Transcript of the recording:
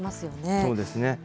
そうですね。